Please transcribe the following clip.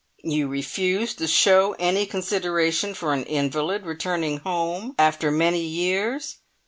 "You refuse to show any consideration for an invalid returning home after many years?"